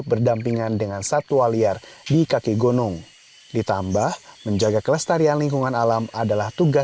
tanda surat perjanjian kita